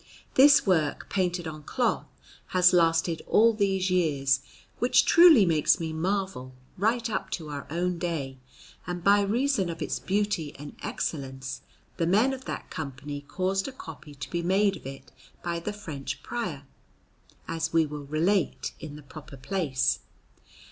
This work painted on cloth has lasted all these years which truly makes me marvel right up to our own day; and by reason of its beauty and excellence the men of that Company caused a copy to be made of it by the French Prior, as we will relate in the proper place.